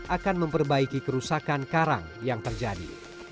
akan memperbaiki kerusakan karang yang terjadi